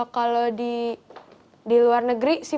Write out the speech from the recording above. kalau di luar negeri